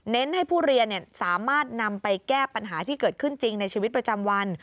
ให้ผู้เรียนสามารถนำไปแก้ปัญหาที่เกิดขึ้นจริงในชีวิตประจำวัน